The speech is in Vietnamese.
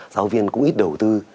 giáo viên cũng ít đầu tư